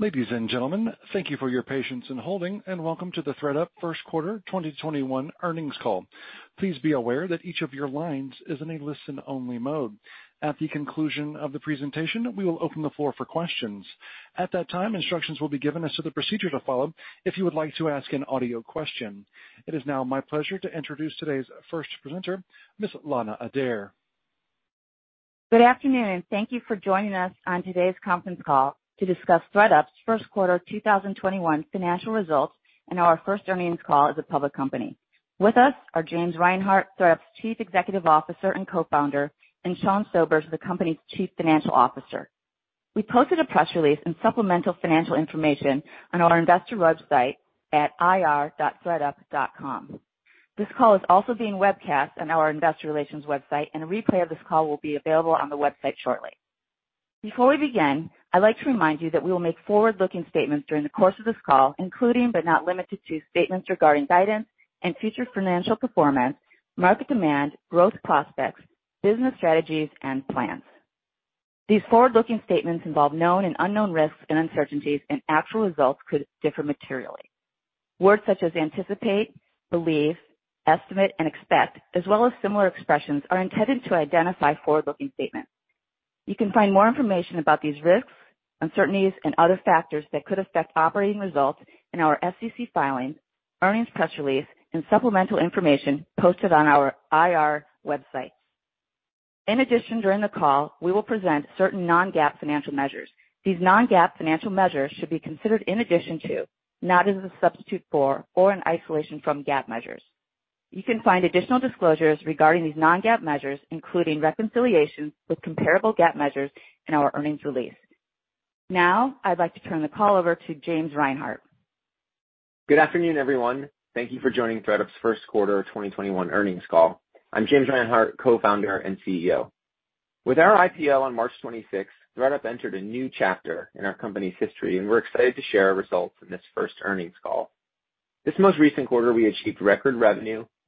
Ladies and gentlemen, thank you for your patience in holding, and welcome to the ThredUp first quarter 2021 earnings call. Please be aware that each of your lines is in a listen-only mode. At the conclusion of the presentation, we will open the floor for questions. At that time, instructions will be given as to the procedure to follow, if you would like to ask an audio question. It is now my pleasure to introduce today's first presenter, Ms. Lana Adair. Good afternoon, and thank you for joining us on today's conference call to discuss ThredUp's first quarter 2021 financial results, and our first earnings call as a public company. With us are James Reinhart, ThredUp's Chief Executive Officer and Co-founder, and Sean Sobers, the company's Chief Financial Officer. We posted a press release and supplemental financial information on our investor website at ir.thredup.com. This call is also being webcast on our investor relations website, and a replay of this call will be available on the website shortly. Before we begin, I'd like to remind you that we will make forward-looking statements during the course of this call, including, but not limited to, statements regarding guidance and future financial performance, market demand, growth prospects, business strategies, and plans. These forward-looking statements involve known and unknown risks and uncertainties, and actual results could differ materially. Words such as anticipate, believe, estimate, and expect, as well as similar expressions, are intended to identify forward-looking statements. You can find more information about these risks, uncertainties, and other factors that could affect operating results in our SEC filings, earnings press release, and supplemental information posted on our IR website. In addition, during the call, we will present certain non-GAAP financial measures. These non-GAAP financial measures should be considered in addition to, not as a substitute for or in isolation from GAAP measures. You can find additional disclosures regarding these non-GAAP measures, including reconciliations with comparable GAAP measures in our earnings release. Now, I'd like to turn the call over to James Reinhart. Good afternoon, everyone. Thank you for joining ThredUp's first quarter 2021 earnings call. I'm James Reinhart, co-founder and CEO. With our IPO on March 26th, ThredUp entered a new chapter in our company's history. We're excited to share our results in this first earnings call. This most recent quarter, we achieved record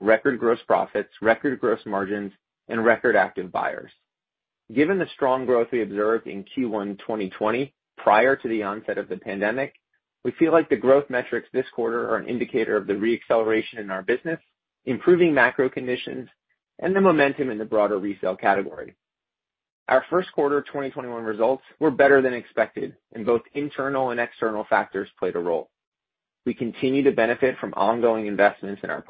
revenue, record gross profits, record gross margins, and record active buyers. Given the strong growth we observed in Q1 2020, prior to the onset of the pandemic, we feel like the growth metrics this quarter are an indicator of the re-acceleration in our business, improving macro conditions, and the momentum in the broader resale category. Our first quarter 2021 results were better than expected. Both internal and external factors played a role. We continue to benefit from ongoing investments in our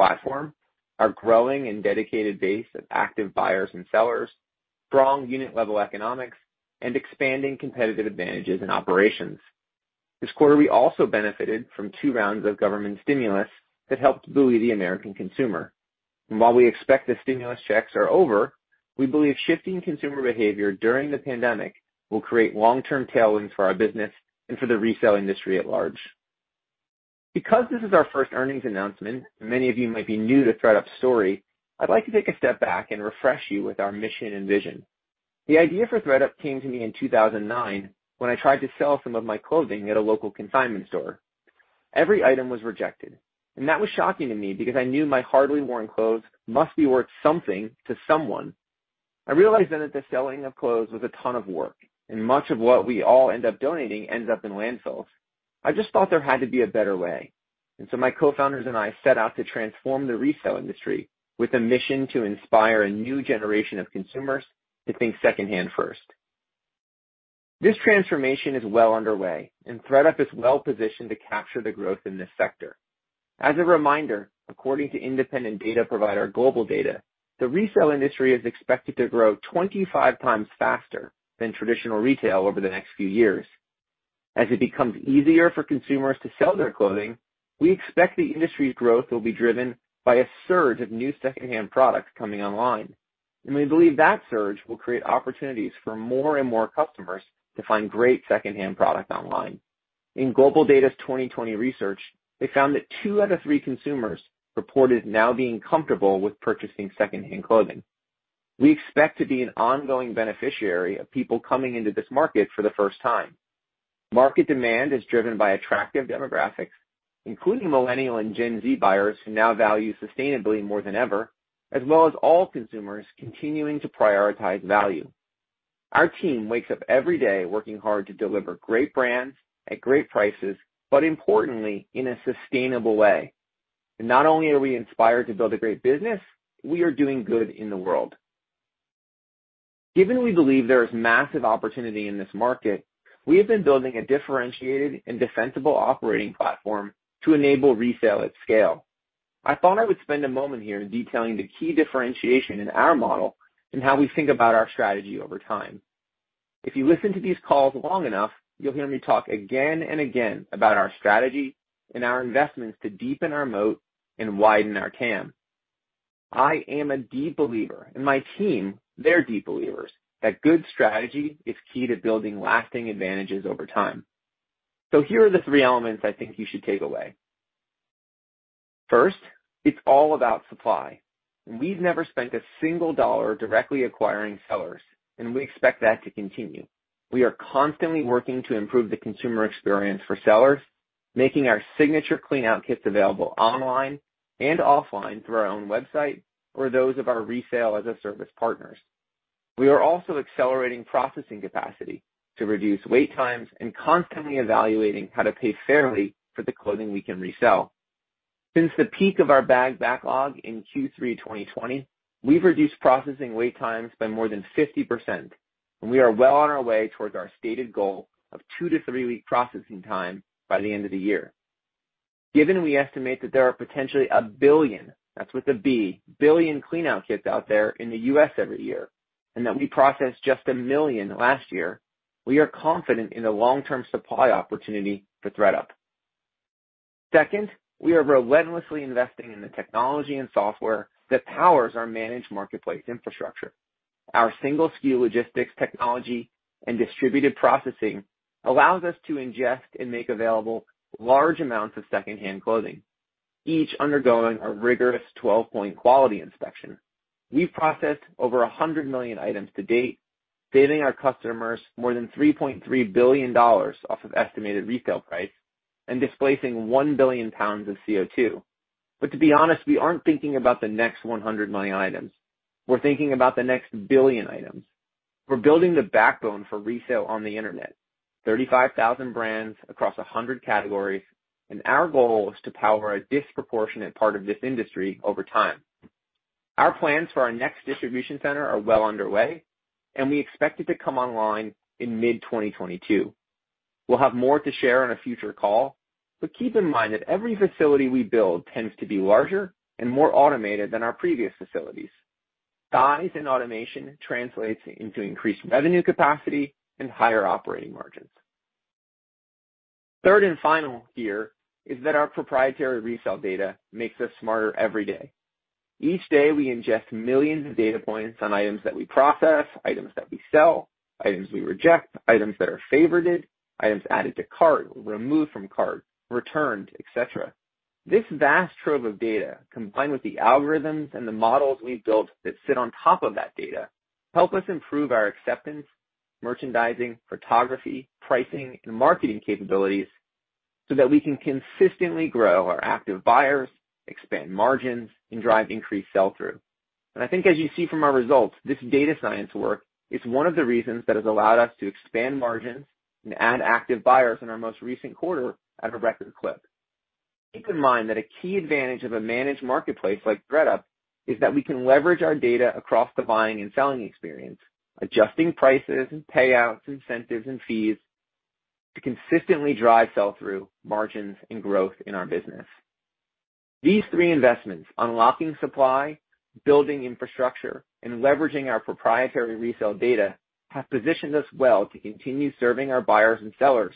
platform, our growing and dedicated base of active buyers and sellers, strong unit-level economics, and expanding competitive advantages in operations. This quarter, we also benefited from two rounds of government stimulus that helped buoy the American consumer. While we expect the stimulus checks are over, we believe shifting consumer behavior during the pandemic will create long-term tailwinds for our business and for the resale industry at large. Because this is our first earnings announcement, and many of you might be new to ThredUp's story, I'd like to take a step back and refresh you with our mission and vision. The idea for ThredUp came to me in 2009 when I tried to sell some of my clothing at a local consignment store. Every item was rejected, and that was shocking to me because I knew my hardly worn clothes must be worth something to someone. I realized then that the selling of clothes was a ton of work, and much of what we all end up donating ends up in landfills. I just thought there had to be a better way. My co-founders and I set out to transform the resale industry with a mission to inspire a new generation of consumers to think secondhand first. This transformation is well underway, and ThredUp is well positioned to capture the growth in this sector. As a reminder, according to independent data provider GlobalData, the resale industry is expected to grow 25 times faster than traditional retail over the next few years. As it becomes easier for consumers to sell their clothing, we expect the industry's growth will be driven by a surge of new secondhand products coming online, and we believe that surge will create opportunities for more and more customers to find great secondhand product online. In GlobalData's 2020 research, they found that two out of three consumers reported now being comfortable with purchasing secondhand clothing. We expect to be an ongoing beneficiary of people coming into this market for the first time. Market demand is driven by attractive demographics, including Millennial and Gen Z buyers who now value sustainability more than ever, as well as all consumers continuing to prioritize value. Our team wakes up every day working hard to deliver great brands at great prices, but importantly, in a sustainable way. Not only are we inspired to build a great business, we are doing good in the world. Given we believe there is massive opportunity in this market, we have been building a differentiated and defensible operating platform to enable resale at scale. I thought I would spend a moment here detailing the key differentiation in our model and how we think about our strategy over time. If you listen to these calls long enough, you'll hear me talk again and again about our strategy and our investments to deepen our moat and widen our TAM. I am a deep believer, and my team, they're deep believers, that good strategy is key to building lasting advantages over time. Here are the three elements I think you should take away. First, it's all about supply. We've never spent a single dollar directly acquiring sellers, and we expect that to continue. We are constantly working to improve the consumer experience for sellers, making our signature Clean Out Kits available online and offline through our own website or those of our Resale-as-a-Service partners. We are also accelerating processing capacity to reduce wait times and constantly evaluating how to pay fairly for the clothing we can resell. Since the peak of our bag backlog in Q3 2020, we've reduced processing wait times by more than 50%, and we are well on our way towards our stated goal of two to three-week processing time by the end of the year. Given we estimate that there are potentially 1 billion, that's with a B, 1 billion Clean Out Kits out there in the U.S. every year, and that we processed just 1 million last year, we are confident in the long-term supply opportunity for ThredUp. Second, we are relentlessly investing in the technology and software that powers our managed marketplace infrastructure. Our single SKU logistics technology and distributed processing allows us to ingest and make available large amounts of second-hand clothing, each undergoing a rigorous 12-point quality inspection. We've processed over 100 million items to date, saving our customers more than $3.3 billion off of estimated retail price and displacing 1 billion pounds of CO2. To be honest, we aren't thinking about the next 100 million items. We're thinking about the next 1 billion items. We're building the backbone for resale on the internet. 35,000 brands across 100 categories. Our goal is to power a disproportionate part of this industry over time. Our plans for our next distribution center are well underway, and we expect it to come online in mid-2022. We'll have more to share on a future call. Keep in mind that every facility we build tends to be larger and more automated than our previous facilities. Size and automation translates into increased revenue capacity and higher operating margins. Third and final here is that our proprietary resale data makes us smarter every day. Each day, we ingest millions of data points on items that we process, items that we sell, items we reject, items that are favorited, items added to cart, removed from cart, returned, etc. This vast trove of data, combined with the algorithms and the models we've built that sit on top of that data, help us improve our acceptance, merchandising, photography, pricing, and marketing capabilities that we can consistently grow our active buyers, expand margins, and drive increased sell-through. I think as you see from our results, this data science work is one of the reasons that has allowed us to expand margins and add active buyers in our most recent quarter at a record clip. Keep in mind that a key advantage of a managed marketplace like ThredUp is that we can leverage our data across the buying and selling experience, adjusting prices and payouts, incentives and fees, to consistently drive sell-through, margins, and growth in our business. These three investments, unlocking supply, building infrastructure, and leveraging our proprietary resale data, have positioned us well to continue serving our buyers and sellers,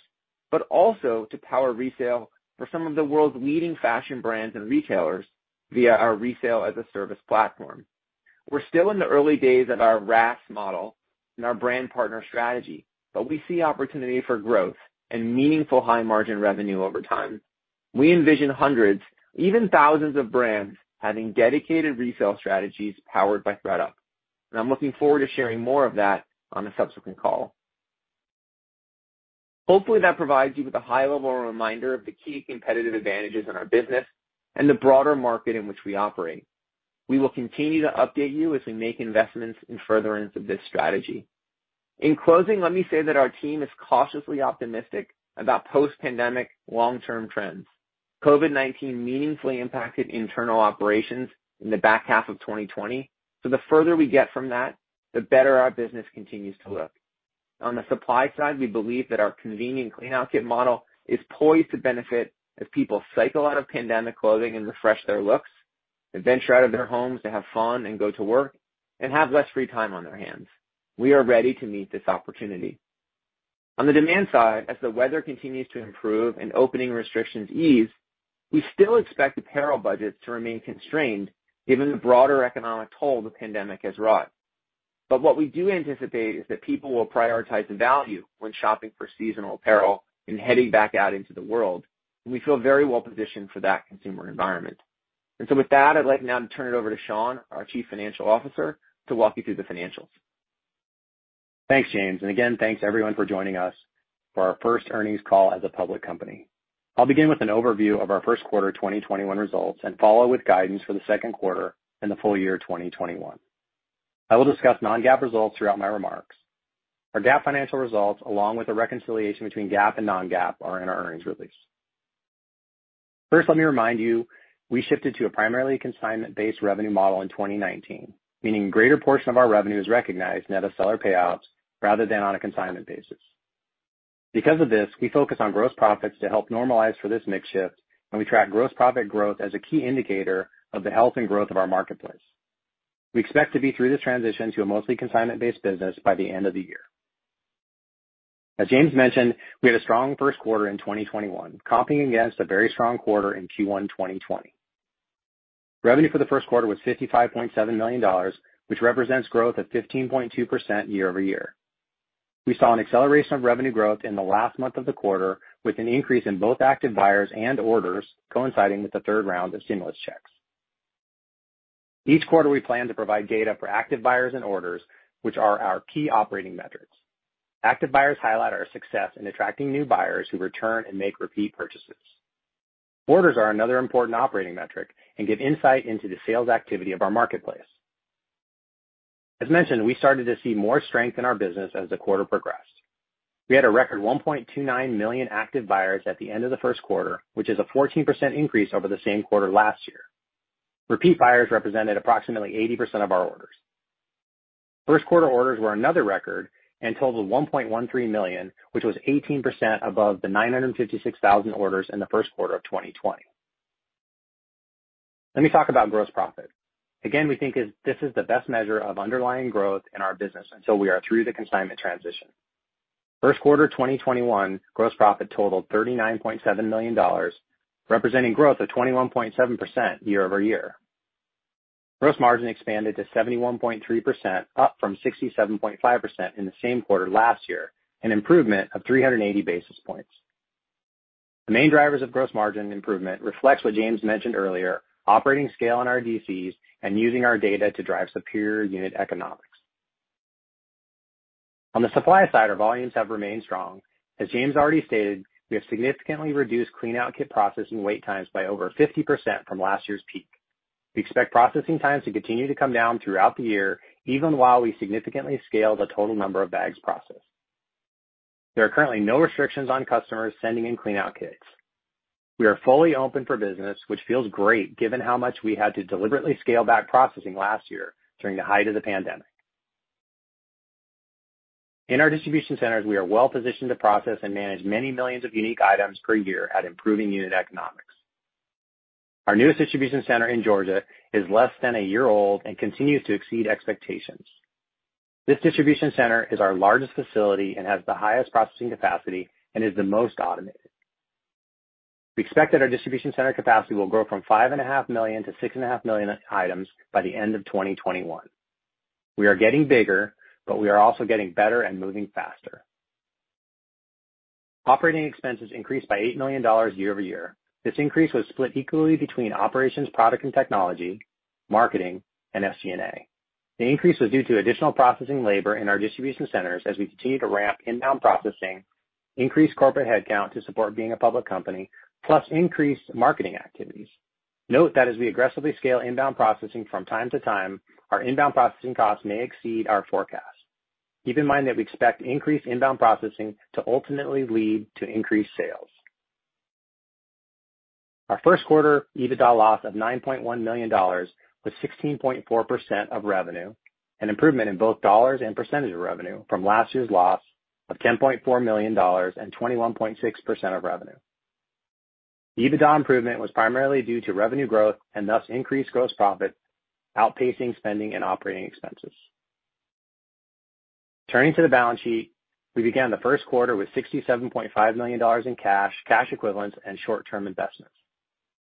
but also to power resale for some of the world's leading fashion brands and retailers via our Resale-as-a-Service platform. We're still in the early days of our RaaS model and our brand partner strategy, but we see opportunity for growth and meaningful high margin revenue over time. We envision hundreds, even thousands of brands having dedicated resale strategies powered by ThredUp. I'm looking forward to sharing more of that on a subsequent call. Hopefully, that provides you with a high-level reminder of the key competitive advantages in our business and the broader market in which we operate. We will continue to update you as we make investments in furtherance of this strategy. In closing, let me say that our team is cautiously optimistic about post-pandemic long-term trends. COVID-19 meaningfully impacted internal operations in the back half of 2020, so the further we get from that, the better our business continues to look. On the supply side, we believe that our convenient Clean Out Kit model is poised to benefit as people cycle out of pandemic clothing and refresh their looks, adventure out of their homes to have fun and go to work, and have less free time on their hands. We are ready to meet this opportunity. On the demand side, as the weather continues to improve and opening restrictions ease, we still expect apparel budgets to remain constrained given the broader economic toll the pandemic has wrought. What we do anticipate is that people will prioritize the value when shopping for seasonal apparel and heading back out into the world. We feel very well positioned for that consumer environment. With that, I'd like now to turn it over to Sean, our Chief Financial Officer, to walk you through the financials. Thanks, James. Again, thanks everyone for joining us for our first earnings call as a public company. I'll begin with an overview of our first quarter 2021 results and follow with guidance for the second quarter and the full year 2021. I will discuss non-GAAP results throughout my remarks. Our GAAP financial results, along with a reconciliation between GAAP and non-GAAP, are in our earnings release. First, let me remind you, we shifted to a primarily consignment-based revenue model in 2019, meaning a greater portion of our revenue is recognized net of seller payouts rather than on a consignment basis. Because of this, we focus on gross profits to help normalize for this mix shift, and we track gross profit growth as a key indicator of the health and growth of our marketplace. We expect to be through this transition to a mostly consignment-based business by the end of the year. As James mentioned, we had a strong first quarter in 2021, competing against a very strong quarter in Q1 2020. Revenue for the first quarter was $55.7 million, which represents growth of 15.2% year-over-year. We saw an acceleration of revenue growth in the last month of the quarter, with an increase in both active buyers and orders coinciding with the third round of stimulus checks. Each quarter, we plan to provide data for active buyers and orders, which are our key operating metrics. Active buyers highlight our success in attracting new buyers who return and make repeat purchases. Orders are another important operating metric and give insight into the sales activity of our marketplace. As mentioned, we started to see more strength in our business as the quarter progressed. We had a record 1.29 million active buyers at the end of the first quarter, which is a 14% increase over the same quarter last year. Repeat buyers represented approximately 80% of our orders. First quarter orders were another record and totaled 1.13 million, which was 18% above the 956,000 orders in the first quarter of 2020. Let me talk about gross profit. Again, we think this is the best measure of underlying growth in our business until we are through the consignment transition. First quarter 2021 gross profit totaled $39.7 million, representing growth of 21.7% year-over-year. Gross margin expanded to 71.3%, up from 67.5% in the same quarter last year, an improvement of 380 basis points. The main drivers of gross margin improvement reflects what James mentioned earlier, operating scale in our DCs and using our data to drive superior unit economics. On the supply side, our volumes have remained strong. As James already stated, we have significantly reduced Clean Out Kit processing wait times by over 50% from last year's peak. We expect processing times to continue to come down throughout the year, even while we significantly scale the total number of bags processed. There are currently no restrictions on customers sending in Clean Out Kits. We are fully open for business, which feels great given how much we had to deliberately scale back processing last year during the height of the pandemic. In our distribution centers, we are well-positioned to process and manage many millions of unique items per year at improving unit economics. Our newest distribution center in Georgia is less than a year old and continues to exceed expectations. This distribution center is our largest facility and has the highest processing capacity and is the most automated. We expect that our distribution center capacity will grow from 5.5 million-6.5 million items by the end of 2021. We are getting bigger, but we are also getting better and moving faster. Operating expenses increased by $8 million year-over-year. This increase was split equally between operations, product and technology, marketing, and SG&A. The increase was due to additional processing labor in our distribution centers as we continue to ramp inbound processing, increase corporate headcount to support being a public company, plus increased marketing activities. Note that as we aggressively scale inbound processing from time to time, our inbound processing costs may exceed our forecast. Keep in mind that we expect increased inbound processing to ultimately lead to increased sales. Our first quarter EBITDA loss of $9.1 million was 16.4% of revenue, an improvement in both dollars and percentage of revenue from last year's loss of $10.4 million and 21.6% of revenue. The EBITDA improvement was primarily due to revenue growth and thus increased gross profit, outpacing spending and operating expenses. Turning to the balance sheet, we began the first quarter with $67.5 million in cash equivalents, and short-term investments,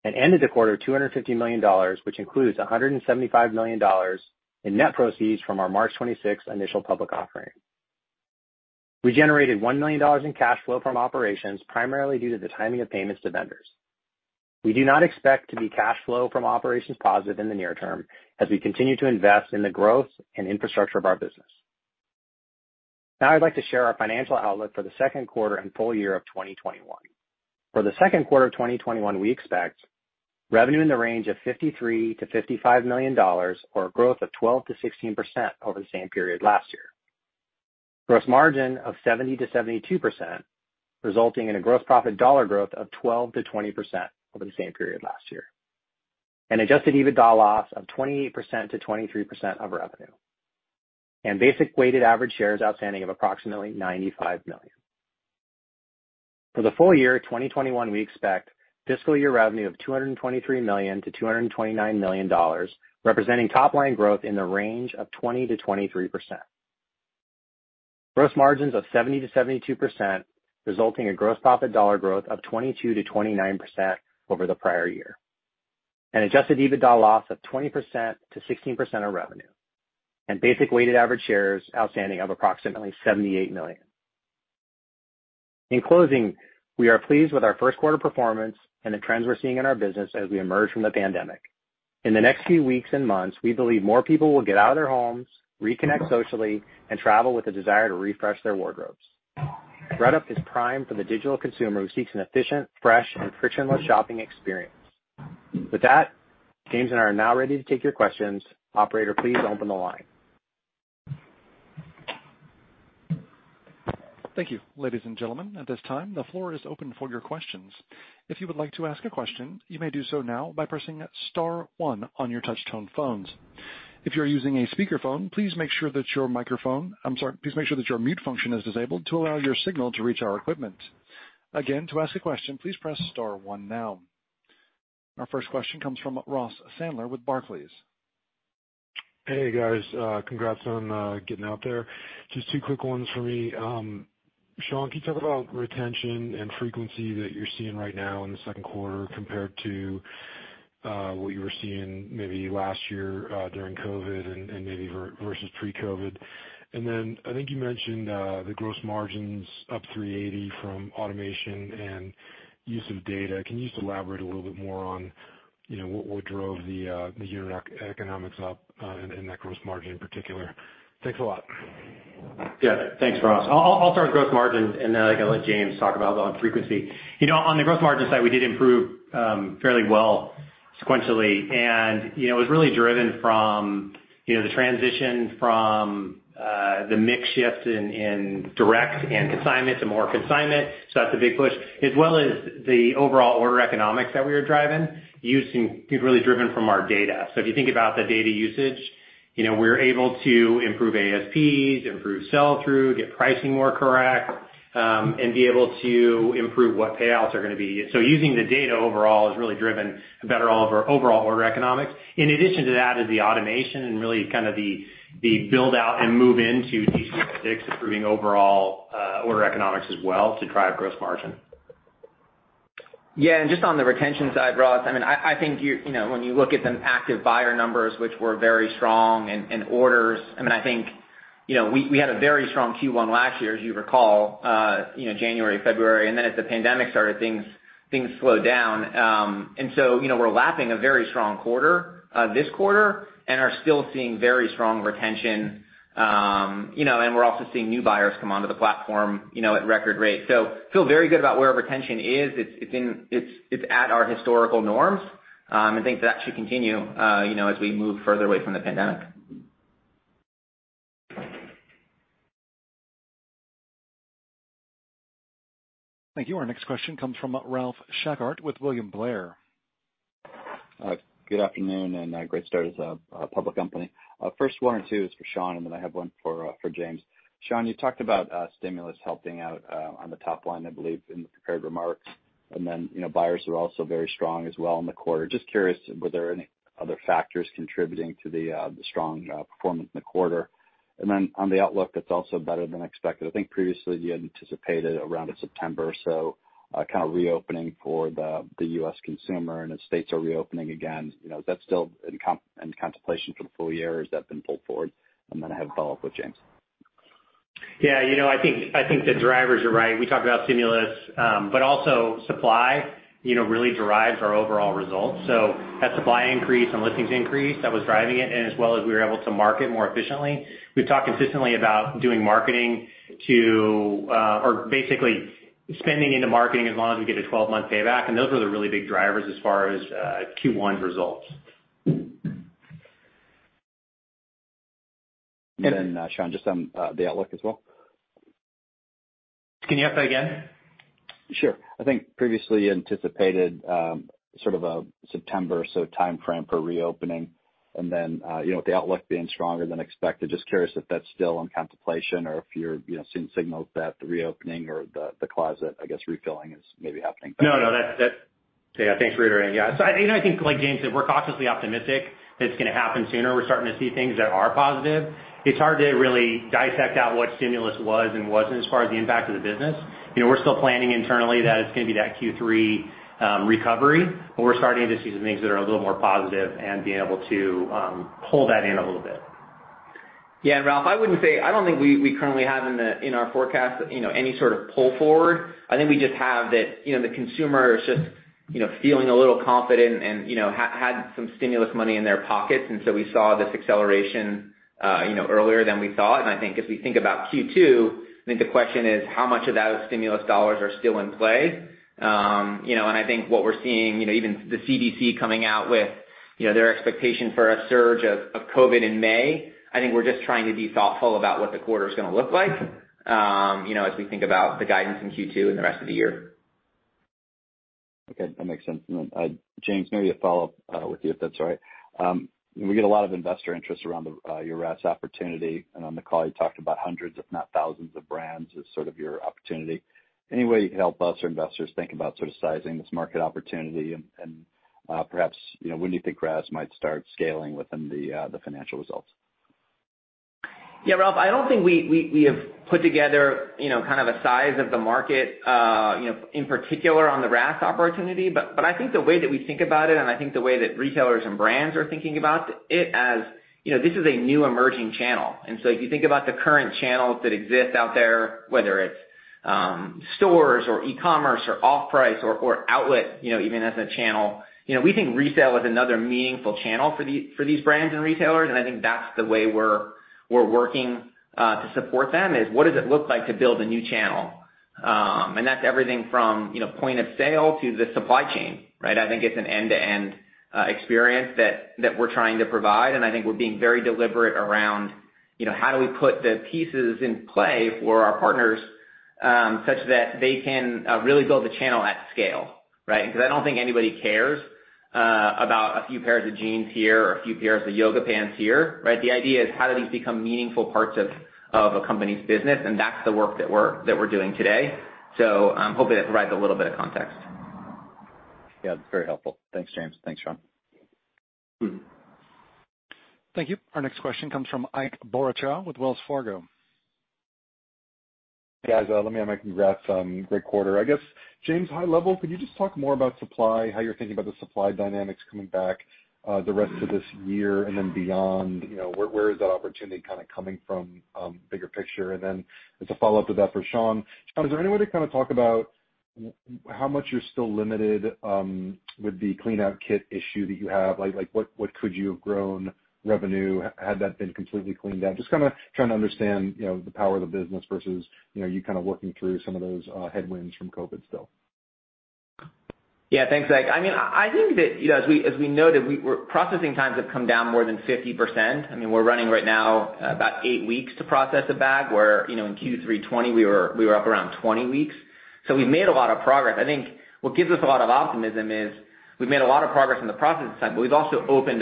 and ended the quarter at $250 million, which includes $175 million in net proceeds from our March 26 initial public offering. We generated $1 million in cash flow from operations, primarily due to the timing of payments to vendors. We do not expect to be cash flow from operations positive in the near term, as we continue to invest in the growth and infrastructure of our business. Now I'd like to share our financial outlook for the second quarter and full year of 2021. For the second quarter of 2021, we expect revenue in the range of $53 million-$55 million, or a growth of 12%-16% over the same period last year. Gross margin of 70%-72%, resulting in a gross profit dollar growth of 12%-20% over the same period last year. An adjusted EBITDA loss of 28%-23% of revenue. Basic weighted average shares outstanding of approximately 95 million. For the full year 2021, we expect fiscal year revenue of $223 million-$229 million, representing top-line growth in the range of 20%-23%. Gross margins of 70%-72%, resulting in gross profit dollar growth of 22%-29% over the prior year. An adjusted EBITDA loss of 20%-16% of revenue. Basic weighted average shares outstanding of approximately 78 million. In closing, we are pleased with our first quarter performance and the trends we're seeing in our business as we emerge from the pandemic. In the next few weeks and months, we believe more people will get out of their homes, reconnect socially, and travel with a desire to refresh their wardrobes. ThredUp is prime for the digital consumer who seeks an efficient, fresh, and frictionless shopping experience. With that, James and I are now ready to take your questions. Operator, please open the line. Thank you. Ladies and gentlemen, at this time, the floor is open for your questions. If you would like to ask a question, you may do so now by pressing star one on your touch-tone phones. If you are using a speakerphone, please make sure that your microphone, I'm sorry, please make sure that your mute function is disabled to allow your signal to reach our equipment. Again, to ask a question, please press star one now. Our first question comes from Ross Sandler with Barclays. Hey, guys. Congrats on getting out there. Just two quick ones from me. Sean, can you talk about retention and frequency that you're seeing right now in the second quarter compared to what you were seeing maybe last year during COVID and versus pre-COVID? I think you mentioned the gross margins up 380 from automation and use of data. Can you just elaborate a little bit more on, you know, what drove the unit economics up in that gross margin in particular? Thanks a lot. Thanks, Ross. I'll start with gross margin, and then I can let James talk about on frequency. On the gross margin side, we did improve fairly well sequentially. It was really driven from the transition from the mix shift in direct and consignment to more consignment. That's a big push, as well as the overall order economics that we are driving, really driven from our data. If you think about the data usage, we're able to improve ASPs, improve sell-through, get pricing more correct, and be able to improve what payouts are going to be. Using the data overall has really driven better overall order economics. In addition to that is the automation and really kind of the build-out and move into DC06, improving overall order economics as well to drive gross margin. Yeah. Just on the retention side, Ross, I think when you look at the active buyer numbers, which were very strong, and orders, I think we had a very strong Q1 last year, as you recall, January, February, as the pandemic started, things slowed down. We're lapping a very strong quarter this quarter and are still seeing very strong retention. We're also seeing new buyers come onto the platform at record rate. Feel very good about where retention is. It's at our historical norms. I think that should continue as we move further away from the pandemic. Thank you. Our next question comes from Ralph Schackart with William Blair. Good afternoon. Great start as a public company. First one or two is for Sean, and then I have one for James. Sean, you talked about stimulus helping out on the top line, I believe, in the prepared remarks, and then buyers are also very strong as well in the quarter. Just curious, were there any other factors contributing to the strong performance in the quarter? On the outlook that's also better than expected, I think previously you had anticipated around September or so, kind of reopening for the U.S. consumer, and as states are reopening again, is that still in contemplation for the full year, or has that been pulled forward? I have a follow-up with James. Yeah. I think the drivers are right. We talked about stimulus, but also supply really derives our overall results. Had supply increased and listings increased, that was driving it, as well as we were able to market more efficiently. We've talked consistently about doing marketing to or basically spending into marketing as long as we get a 12-month payback, those were the really big drivers as far as Q1's results. Sean, just on the outlook as well. Can you repeat that again? Sure. I think previously anticipated sort of a September so timeframe for reopening, and then with the outlook being stronger than expected, just curious if that's still in contemplation or if you're seeing signals that the reopening or the closet, I guess refilling is maybe happening faster? No. Thanks for reiterating. Yeah. I think like James said, we're cautiously optimistic that it's going to happen sooner. We're starting to see things that are positive. It's hard to really dissect out what stimulus was and wasn't as far as the impact of the business. We're still planning internally that it's going to be that Q3 recovery, we're starting to see some things that are a little more positive and being able to pull that in a little bit. Yeah, Ralph, I don't think we currently have in our forecast any sort of pull forward. I think we just have that the consumer is just feeling a little confident and had some stimulus money in their pockets, and so we saw this acceleration earlier than we thought. I think if we think about Q2, I think the question is how much of those stimulus dollars are still in play. I think what we're seeing, even the CDC coming out with their expectation for a surge of COVID in May, I think we're just trying to be thoughtful about what the quarter's going to look like as we think about the guidance in Q2 and the rest of the year. Okay. That makes sense. James, maybe a follow-up with you, if that's all right. We get a lot of investor interest around your RaaS opportunity, and on the call, you talked about hundreds if not thousands of brands as sort of your opportunity. Any way you could help us or investors think about sort of sizing this market opportunity, and perhaps when do you think RaaS might start scaling within the financial results? Yeah, Ralph, I don't think we have put together kind of a size of the market in particular on the RaaS opportunity, but I think the way that we think about it, and I think the way that retailers and brands are thinking about it, as this is a new emerging channel. If you think about the current channels that exist out there, whether it's stores or e-commerce or off-price or outlet even as a channel, we think resale is another meaningful channel for these brands and retailers. I think that's the way we're working to support them, is what does it look like to build a new channel? That's everything from point of sale to the supply chain, right? I think it's an end-to-end experience that we're trying to provide. I think we're being very deliberate around how do we put the pieces in play for our partners, such that they can really build a channel at scale, right? I don't think anybody cares about a few pairs of jeans here or a few pairs of yoga pants here, right? The idea is how do these become meaningful parts of a company's business. That's the work that we're doing today. Hopefully that provides a little bit of context. Yeah. Very helpful. Thanks, James. Thanks, Sean. Thank you. Our next question comes from Ike Boruchow with Wells Fargo. Guys, let me have my congrats. Great quarter. I guess, James, high level, could you just talk more about supply, how you're thinking about the supply dynamics coming back the rest of this year and then beyond? Where is that opportunity kind of coming from, bigger picture? It's a follow-up to that for Sean. Sean, is there any way to kind of talk about how much you're still limited with the Clean Out Kit issue that you have? What could you have grown revenue, had that been completely cleaned out? Just trying to understand the power of the business versus you kind of working through some of those headwinds from COVID-19 still. Yeah. Thanks, Ike. I think that, as we noted, processing times have come down more than 50%. We're running right now about eight weeks to process a bag, where in Q3 2020 we were up around 20 weeks. We've made a lot of progress. I think what gives us a lot of optimism is we've made a lot of progress in the processing time, but we've also opened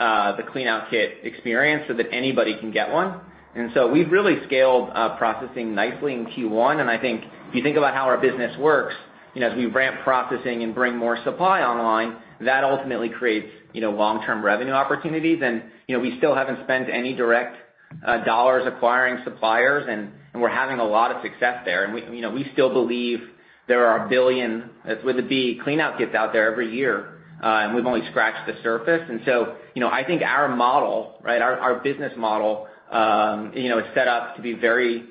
up the Clean Out Kits experience so that anybody can get one. We've really scaled processing nicely in Q1, and I think if you think about how our business works, as we ramp processing and bring more supply online, that ultimately creates long-term revenue opportunities. We still haven't spent any direct dollars acquiring suppliers, and we're having a lot of success there. We still believe there are a billion, with a B, Clean Out Kits out there every year, and we've only scratched the surface. I think our model, our business model, is set up to be very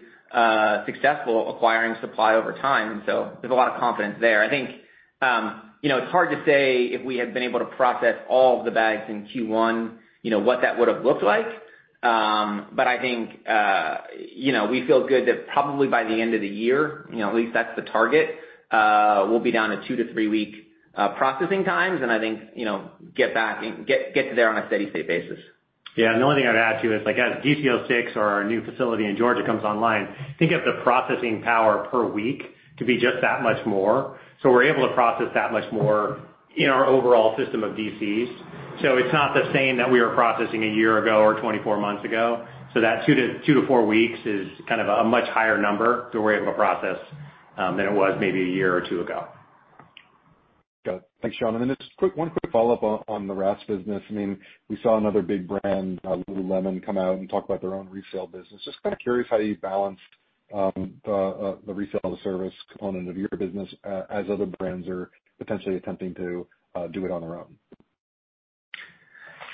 successful acquiring supply over time. There's a lot of confidence there. I think it's hard to say if we had been able to process all of the bags in Q1, what that would've looked like. I think we feel good that probably by the end of the year, at least that's the target, we'll be down to two to three-week processing times, and I think get to there on a steady state basis. Yeah. The only thing I'd add, too, is as DC06 or our new facility in Georgia comes online, think of the processing power per week to be just that much more. We're able to process that much more in our overall system of DCs. It's not the same that we were processing a year ago or 24 months ago. That two to four weeks is kind of a much higher number that we're able to process than it was maybe a year or two ago. Got it. Thanks, Sean. Just one quick follow-up on the RaaS business. We saw another big brand, lululemon, come out and talk about their own resale business. Just kind of curious how you balance the resale service component of your business, as other brands are potentially attempting to do it on their own.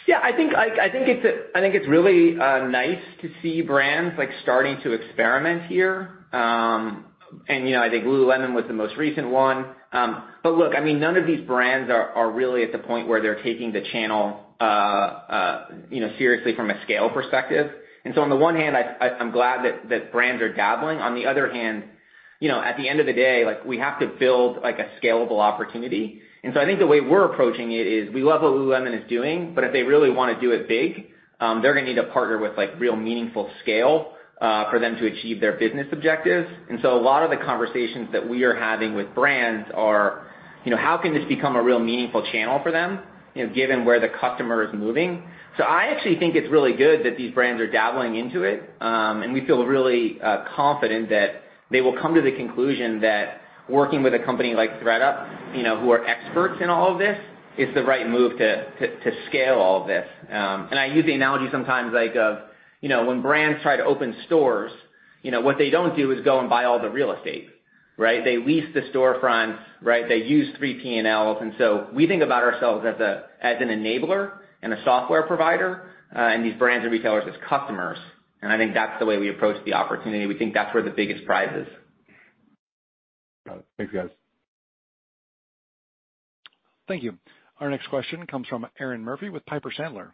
Yeah. I think it's really nice to see brands starting to experiment here. I think lululemon was the most recent one. Look, none of these brands are really at the point where they're taking the channel seriously from a scale perspective. On the one hand, I'm glad that brands are dabbling. On the other hand, at the end of the day, we have to build a scalable opportunity. I think the way we're approaching it is, we love what lululemon is doing, but if they really want to do it big, they're going to need to partner with real meaningful scale for them to achieve their business objectives. A lot of the conversations that we are having with brands are, how can this become a real meaningful channel for them, given where the customer is moving? I actually think it's really good that these brands are dabbling into it, and we feel really confident that they will come to the conclusion that working with a company like ThredUp, who are experts in all of this, is the right move to scale all of this. I use the analogy sometimes like, when brands try to open stores, what they don't do is go and buy all the real estate. Right? They lease the storefronts. Right? They use 3PLs. We think about ourselves as an enabler and a software provider, and these brands and retailers as customers. I think that's the way we approach the opportunity. We think that's where the biggest prize is. Got it. Thanks, guys. Thank you. Our next question comes from Erinn Murphy with Piper Sandler.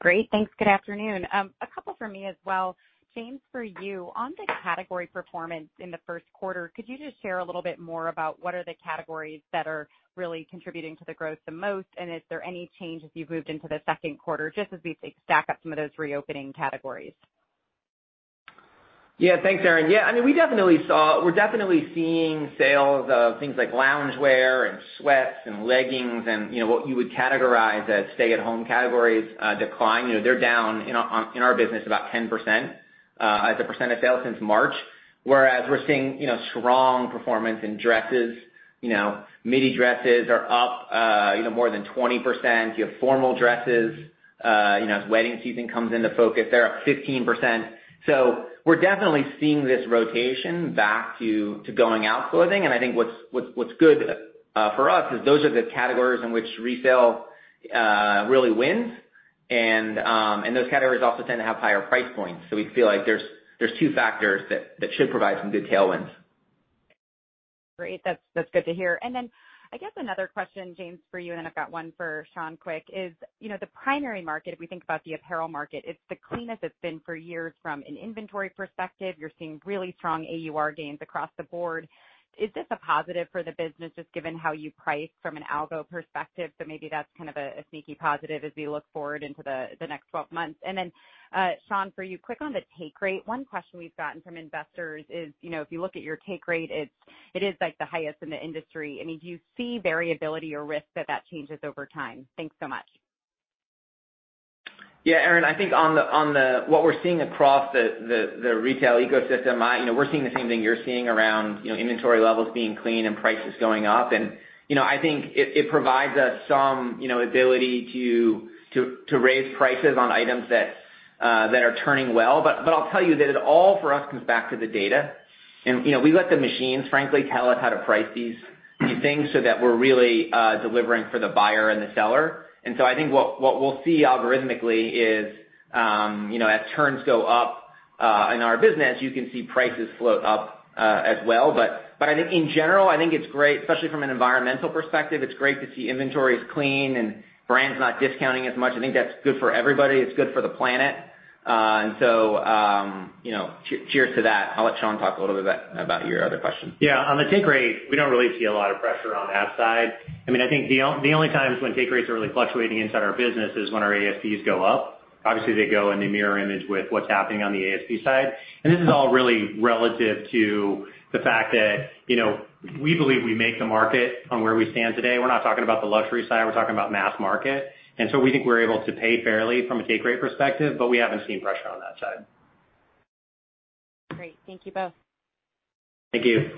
Great. Thanks. Good afternoon. A couple from me as well. James, for you, on the category performance in the first quarter, could you just share a little bit more about what are the categories that are really contributing to the growth the most, and is there any change as you've moved into the second quarter, just as we stack up some of those reopening categories? Thanks, Erinn. We're definitely seeing sales of things like loungewear and sweats and leggings, and what you would categorize as stay-at-home categories decline. They're down in our business about 10% as a percent of sales since March. We're seeing strong performance in dresses. Midi dresses are up more than 20%. You have formal dresses. As wedding season comes into focus, they're up 15%. We're definitely seeing this rotation back to going-out clothing, and I think what's good for us is those are the categories in which resale really wins, and those categories also tend to have higher price points. We feel like there's two factors that should provide some good tailwinds. Great. That's good to hear. I guess another question, James, for you, and then I've got one for Sean quick, is the primary market, if we think about the apparel market, it's the cleanest it's been for years from an inventory perspective. You're seeing really strong AUR gains across the board. Is this a positive for the business, just given how you price from an algo perspective? Maybe that's kind of a sneaky positive as we look forward into the next 12 months. Sean, for you, quick on the take rate. One question we've gotten from investors is, if you look at your take rate, it is the highest in the industry. Do you see variability or risk that that changes over time? Thanks so much. Yeah, Erinn, I think what we're seeing across the retail ecosystem, we're seeing the same thing you're seeing around inventory levels being clean and prices going up. I think it provides us some ability to raise prices on items that are turning well. I'll tell you that it all for us comes back to the data. We let the machines, frankly, tell us how to price these things so that we're really delivering for the buyer and the seller. I think what we'll see algorithmically is, as turns go up in our business, you can see prices float up as well. I think in general, I think it's great, especially from an environmental perspective, it's great to see inventories clean and brands not discounting as much. I think that's good for everybody. It's good for the planet. Cheers to that. I'll let Sean talk a little bit about your other question. Yeah. On the take rate, we don't really see a lot of pressure on that side. I think the only times when take rates are really fluctuating inside our business is when our ASPs go up. Obviously, they go in the mirror image with what's happening on the ASP side. This is all really relative to the fact that we believe we make the market on where we stand today. We're not talking about the luxury side, we're talking about mass market. We think we're able to pay fairly from a take rate perspective, but we haven't seen pressure on that side. Great. Thank you both. Thank you.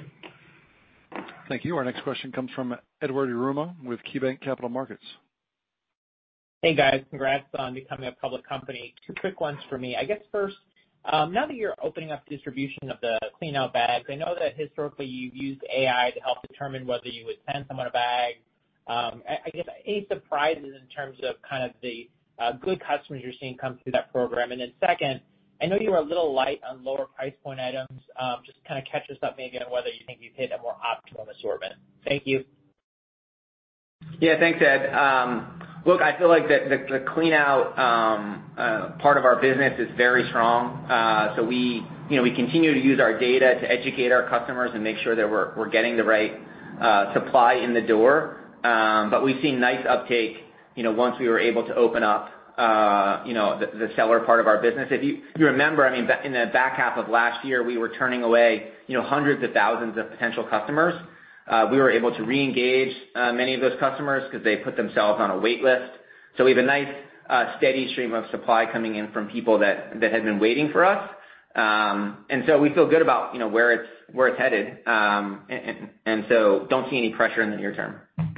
Thank you. Our next question comes from Edward Yruma with KeyBanc Capital Markets. Hey, guys. Congrats on becoming a public company. Two quick ones for me. I guess first, now that you're opening up distribution of the Clean Out Kits, I know that historically you've used AI to help determine whether you would send someone a bag. I guess, any surprises in terms of kind of the good customers you're seeing come through that program? Then second, I know you were a little light on lower price point items. Just to kind of catch us up maybe on whether you think you've hit a more optimal assortment. Thank you. Thanks, Ed. Look, I feel like the clean out part of our business is very strong. We continue to use our data to educate our customers and make sure that we're getting the right supply in the door. We've seen nice uptake once we were able to open up the seller part of our business. If you remember, in the back half of last year, we were turning away hundreds of thousands of potential customers. We were able to reengage many of those customers because they put themselves on a wait list. We have a nice, steady stream of supply coming in from people that had been waiting for us. We feel good about where it's headed. Don't see any pressure in the near term. To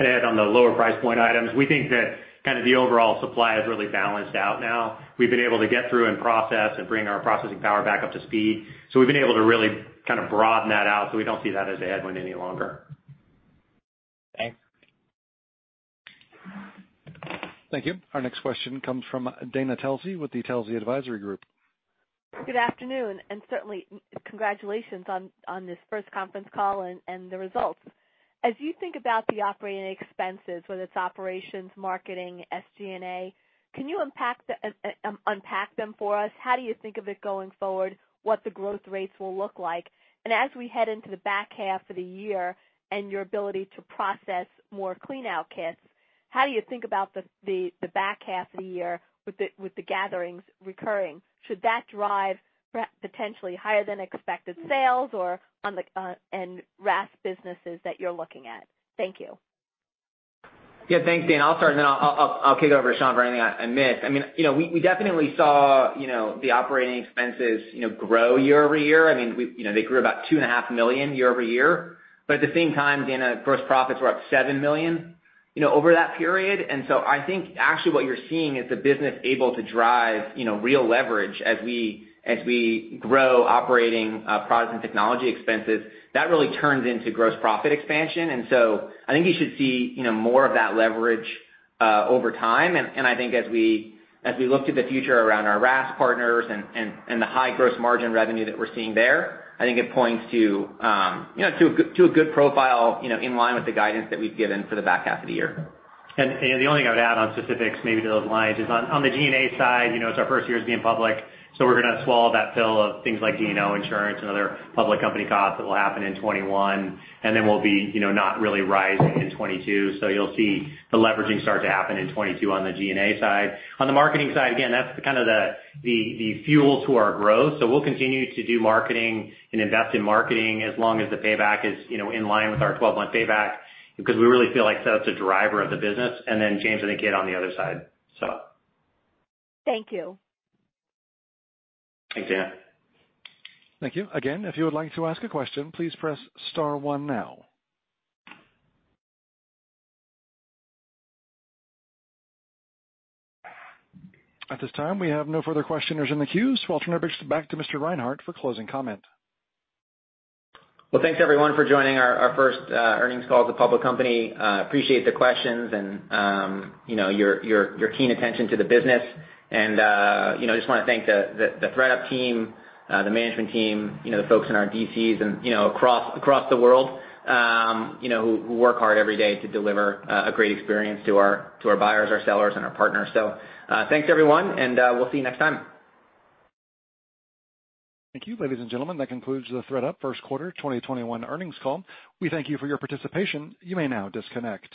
add on the lower price point items, we think that kind of the overall supply is really balanced out now. We've been able to get through and process and bring our processing power back up to speed. We've been able to really kind of broaden that out, so we don't see that as a headwind any longer. Thanks. Thank you. Our next question comes from Dana Telsey with the Telsey Advisory Group. Good afternoon, and certainly congratulations on this first conference call and the results. As you think about the operating expenses, whether it's operations, marketing, SG&A, can you unpack them for us? How do you think of it going forward, what the growth rates will look like? As we head into the back half of the year and your ability to process more Clean Out Kits, how do you think about the back half of the year with the gatherings recurring? Should that drive potentially higher than expected sales and RaaS businesses that you're looking at? Thank you. Thanks, Dana. I'll start, and then I'll kick it over to Sean for anything I miss. We definitely saw the operating expenses grow year-over-year. They grew about $2.5 million year-over-year. At the same time, Dana, gross profits were up $7 million over that period. I think actually what you're seeing is the business able to drive real leverage as we grow operating products and technology expenses. That really turns into gross profit expansion. I think you should see more of that leverage over time. I think as we look to the future around our RaaS partners and the high gross margin revenue that we're seeing there, I think it points to a good profile in line with the guidance that we've given for the back half of the year. The only thing I would add on specifics, maybe to those lines, is on the G&A side, it's our first year as being public, so we're gonna swallow that pill of things like D&O, insurance, and other public company costs that will happen in 2021, and then we'll be not really rising in 2022. You'll see the leveraging start to happen in 2022 on the G&A side. On the marketing side, again, that's kind of the fuel to our growth. We'll continue to do marketing and invest in marketing as long as the payback is in line with our 12-month payback, because we really feel like that's a driver of the business, and then James and the gang on the other side. Thank you. Thanks, Dana. Thank you. Again, if you would like to ask a question, please press star one now. At this time, we have no further questioners in the queue, so I'll turn it back to Mr. Reinhart for closing comment. Well, thanks everyone for joining our first earnings call as a public company. Appreciate the questions and your keen attention to the business. Just want to thank the ThredUp team, the management team, the folks in our DCs and across the world, who work hard every day to deliver a great experience to our buyers, our sellers, and our partners. Thanks, everyone, and we'll see you next time. Thank you. Ladies and gentlemen, that concludes the ThredUp first quarter 2021 earnings call. We thank you for your participation. You may now disconnect.